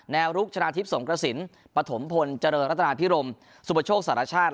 แนวลุกชนะทิพย์สงกระสินปะถมพลจริงรัตนาพิรมสุพชกสหราชาติ